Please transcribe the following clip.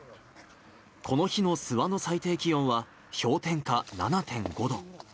この日の諏訪の最低気温は氷点下７．５度。